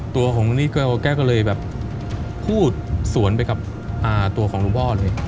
ตัวของนี่แกก็เลยแบบพูดสวนไปกับตัวของหลวงพ่อเลย